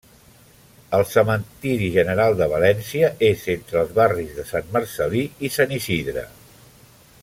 El Cementeri General de València és entre els barris de Sant Marcel·lí i Sant Isidre.